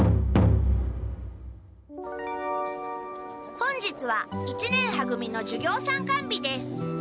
本日は一年は組の授業参観日です